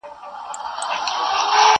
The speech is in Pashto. ځيني يې سخت واقعيت ګڼي ډېر